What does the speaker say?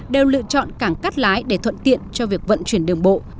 đều lựa chọn cảng cắt lái để thuận tiện cho việc vận chuyển đường bộ